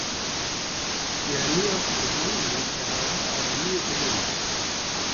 Gemiya kurdan li perava aramiyê bihêlin.